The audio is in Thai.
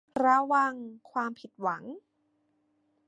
ระวังความผิดหวัง